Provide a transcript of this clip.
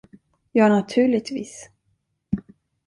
Ja, naturligtvis.